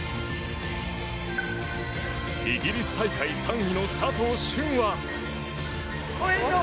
イギリス大会３位の佐藤駿は。